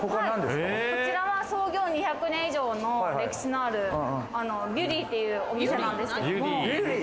こちらは創業２００年以上の歴史のあるビュリーっていうお店なんですけども。